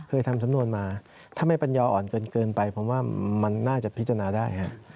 ทำสำนวนมาถ้าไม่ปัญญาอ่อนเกินไปผมว่ามันน่าจะพิจารณาได้